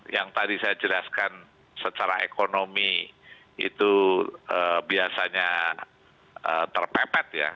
yang tadi saya jelaskan secara ekonomi itu biasanya terpepet ya